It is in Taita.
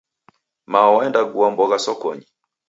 Mao waenda gua mbogha sokonyi.